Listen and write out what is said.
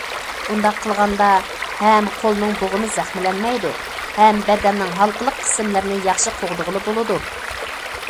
بۇنداق قىلغاندا ھەم قولنىڭ بوغۇمى زەخىملەنمەيدۇ، ھەم بەدەننىڭ ھالقىلىق قىسىملىرىنى ياخشى قوغدىغىلى بولىدۇ.